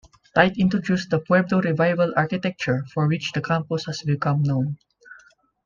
Tight introduced the Pueblo Revival architecture for which the campus has become known.